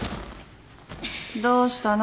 どうしたの？